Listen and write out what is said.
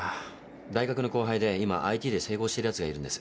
大学の後輩で今ＩＴで成功してるやつがいるんです。